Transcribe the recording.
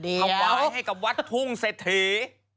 ถวายให้กับวัดทุ่งเศรษฐี